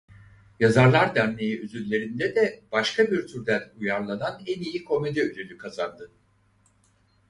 Yazarlar Derneği Ödülleri'nde de Başka Bir Türden Uyarlanan En İyi Komedi ödülü kazandı.